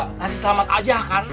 kasih selamat aja kan